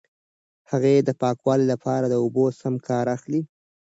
هغې د پاکوالي لپاره د اوبو سم کار اخلي.